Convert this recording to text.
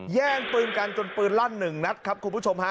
แย่งปืนกันจนปืนลั่นหนึ่งนัดครับคุณผู้ชมฮะ